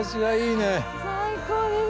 最高です。